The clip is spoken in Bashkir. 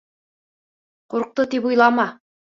Ҡурҡты, тип уйлама.